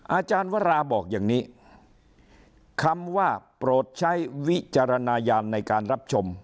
อาจารย์วราบอกอย่างนี้คำว่าโปรดใช้วิจารณญาณในการรับชม